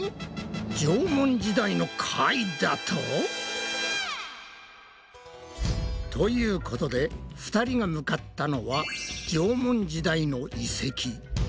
縄文時代の貝だと！？ということで２人が向かったのは縄文時代の遺跡。